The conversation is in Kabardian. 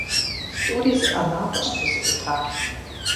ТӀури зы ӀэнатӀэщ дызыӀутар.